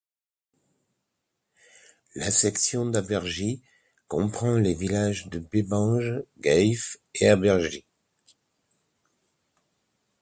La section d'Habergy comprend les villages de Bébange, Guelff et Habergy.